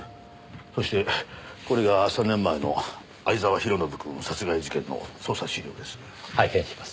そしてこれが３年前の藍沢弘信くん殺害事件の捜査資料です。